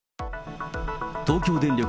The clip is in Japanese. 東京電力